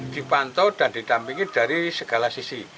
dipantau dan didampingi dari segala sisi